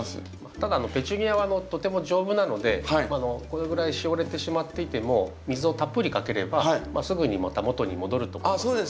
ただペチュニアはとても丈夫なのでこれぐらいしおれてしまっていても水をたっぷりかければすぐにまた元に戻ると思いますので。